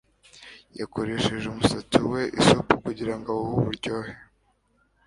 Yakoresheje umusatsi we mu isupu kugirango awuhe uburyohe.